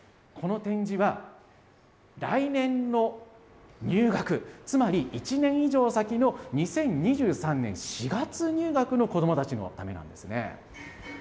この展示は、来年の入学、つまり、１年以上先の２０２３年４月入学の子どもたちのためなんですね。